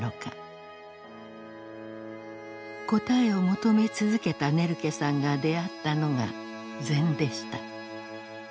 答えを求め続けたネルケさんが出会ったのが禅でした。